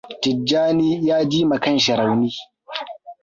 Tijjani ya ji ma kanshi rauni.